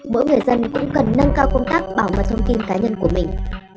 mỗi người dân cũng cần nâng cao công tác bảo mật thông tin cá nhân của mình